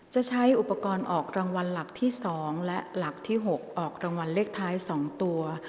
จะใช้อุปกรณ์ออกรางวัลหลักที่๒และหลักที่๖ออกรางวัลเลขท้าย๒ตัว